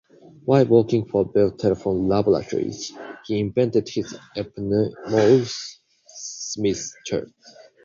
While working for Bell Telephone Laboratories, he invented his eponymous Smith chart.